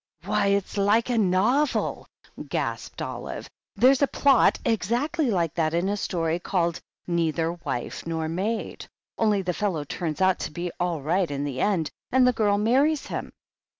"Why, it's like a novel !" gasped Olive. "There's a plot exactly like that in a story called 'Neither Wife nor Maid.' Only the fellow turns out to be all right in the end, and the girl marries him."